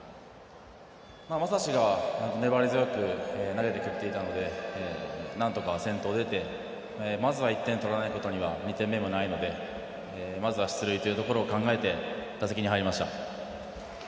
将司が粘り強く投げてくれていたのでなんとか先頭出てまず１点取らないことには２点目もないのでまずは出塁ということを考えて打席に入りました。